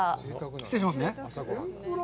失礼しますね。